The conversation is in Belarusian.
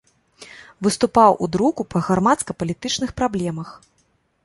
Выступаў у друку па грамадска-палітычных праблемах.